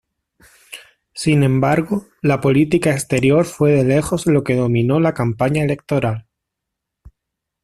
Sin embargo, la política exterior fue de lejos lo que dominó la campaña electoral.